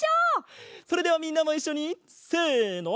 それではみんなもいっしょにせの。